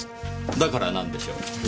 だから何でしょう？